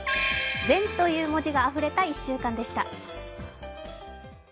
「全」という文字があふれた１週間でした。